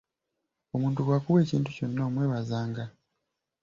Omuntu bw'akuwa ekintu kyonna omwebazanga.